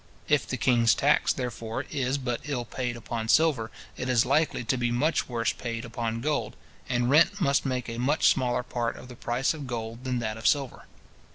If the king's tax, therefore, is but ill paid upon silver, it is likely to be much worse paid upon gold; and rent must make a much smaller part of the price of gold than that of silver.